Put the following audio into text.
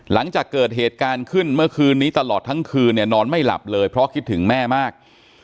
หลังจากเกิดเหตุการณ์ขึ้นเมื่อคืนนี้ตลอดทั้งคืนเนี่ยนอนไม่หลับเลยเพราะคิดถึงแม่มาก